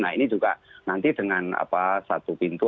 nah ini juga nanti dengan satu pintu